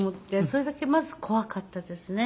それだけまず怖かったですね。